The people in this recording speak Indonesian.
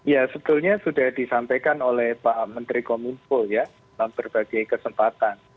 ya sebetulnya sudah disampaikan oleh pak menteri kominfo ya dalam berbagai kesempatan